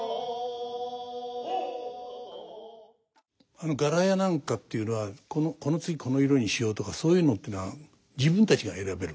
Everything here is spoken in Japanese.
あの柄や何かっていうのは「この次この色にしよう」とかそういうのっていうのは自分たちが選べるの？